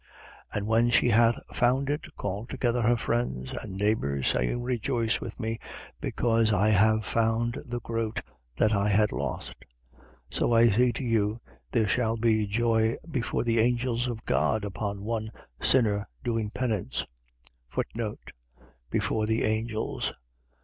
15:9. And when she hath found it, call together her friends and neighbours, saying: Rejoice with me, because I have found the groat which I had lost. 15:10. So I say to you, there shall be joy before the angels of God upon one sinner doing penance. Before the angels.